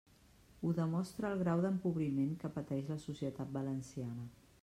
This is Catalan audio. Ho demostra el grau d'empobriment que pateix la societat valenciana.